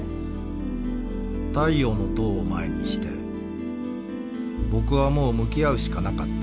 太陽の塔を前にして僕はもう向き合うしかなかった